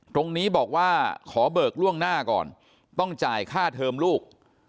ตรงนี้บอกว่าขอเบิกล่วงหน้าก่อนต้องจ่ายค่าเทอมลูก